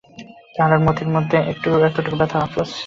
তারপর আর মতির মনে একটুকু ব্যথা বা আপসোস থাকে না।